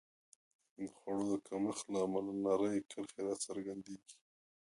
د خوړو کمښت له امله نرۍ کرښې راڅرګندېږي.